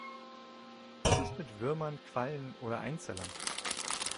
Was ist mit Würmern, Quallen oder Einzellern?